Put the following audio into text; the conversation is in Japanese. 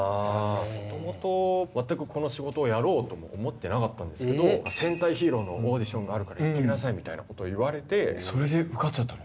もともと全くこの仕事をやろうとも思ってなかったんですけど、戦隊ヒーローのオーディションがあるから行ってみなさいみたいなそれで受かっちゃったの？